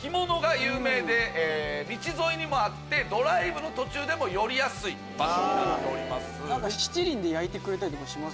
道沿いにもあってドライブの途中でも寄りやすい場所になっております。